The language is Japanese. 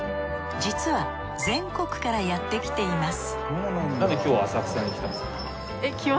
実は全国からやってきています